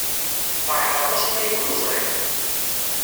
Feṛḥeɣ aṭas imi ay ken-ẓriɣ.